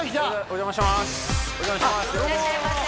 お邪魔します